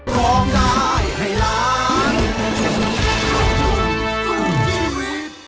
โปรดติดตามตอนต่อไป